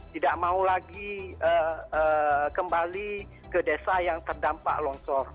tidak mau lagi kembali ke desa yang terdampak longsor